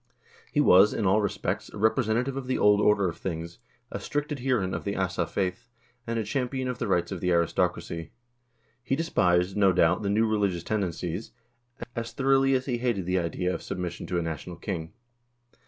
He was, in all respects, a representa tive of the old order of things, a strict adherent of the Asa faith, and a champion of the rights of the aristocracy. He despised, no doubt, the new religious tendencies, as thoroughly as he hated the idea of submission to a national king.